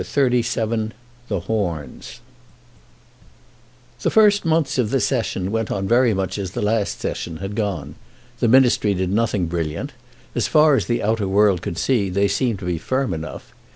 CHAPTER XXXVII The Horns The first months of the Session went on very much as the last Session had gone. The ministry did nothing brilliant. As far as the outer world could see, they seemed to be firm enough.